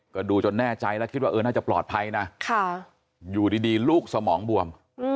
ก็ดูจนแน่ใจแล้วคิดว่าน่าจะปลอดภัยนะอยู่ดีลูกสมองบวม